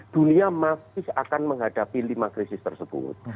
dunia masih akan menghadapi lima krisis tersebut